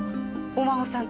お孫さん？